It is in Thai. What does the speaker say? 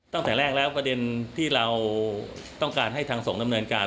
ตั้งแต่แรกแล้วประเด็นที่เราต้องการให้ทางสงฆ์ดำเนินการ